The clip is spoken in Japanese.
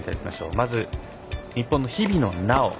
まず、日本の日比野菜緒。